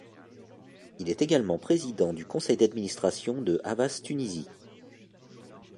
Il est également président du conseil d'administration de Havas Tunisie.